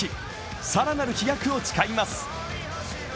更なる飛躍を誓います。